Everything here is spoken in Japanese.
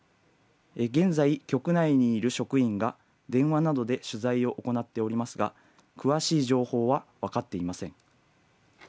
現在、局内にいる職員が電話などで取材を行っておりますが詳しい情報は分かっていません。